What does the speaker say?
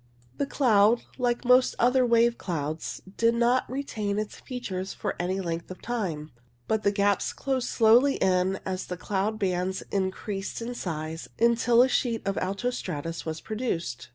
The cloud, like most other wave clouds, did not retain its features for any length of time, but the gaps closed slowly in as the cloud bands increased in size, until a sheet of alto stratus was produced.